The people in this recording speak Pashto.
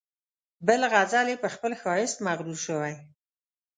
بل غزل یې په خپل ښایست مغرور شوی.